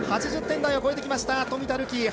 ８０点台を超えてきました冨田るき